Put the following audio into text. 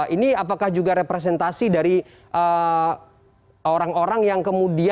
ini apakah juga representasi dari orang orang yang kemudian